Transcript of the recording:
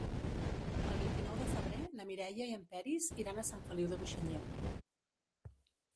El vint-i-nou de febrer na Mireia i en Peris iran a Sant Feliu de Buixalleu.